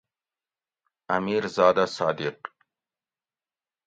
امیر زادہ صادق